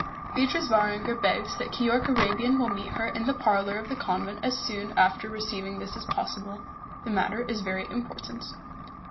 "Beatrice Varanger begs that Keyork Arabian will meet her in the parlour of the convent as soon after receiving this as possible. The matter is very important."